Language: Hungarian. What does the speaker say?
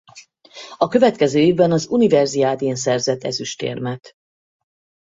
A következő évben az universiaden szerzett ezüstérmet.